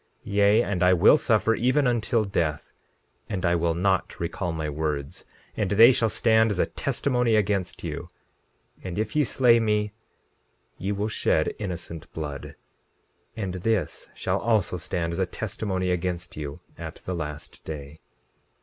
17:10 Yea, and I will suffer even until death, and I will not recall my words, and they shall stand as a testimony against you. And if ye slay me ye will shed innocent blood, and this shall also stand as a testimony against you at the last day.